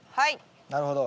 なるほど。